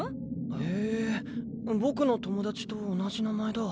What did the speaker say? へえ僕の友達と同じ名前だ。